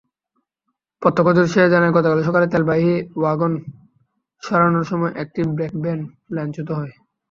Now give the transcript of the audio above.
প্রত্যক্ষদর্শীরা জানায়, গতকাল সকালে তেলবাহী ওয়াগন সরানোর সময়ে একটি ব্রেকভ্যান লাইনচ্যুত হয়।